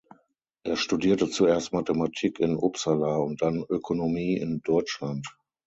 Er studierte zuerst Mathematik in Uppsala und dann Ökonomie in Deutschland.